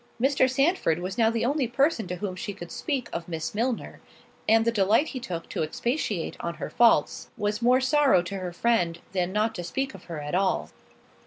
Mr. Sandford was now the only person to whom she could speak of Miss Milner, and the delight he took to expatiate on her faults, was more sorrow to her friend, than not to speak of her at all.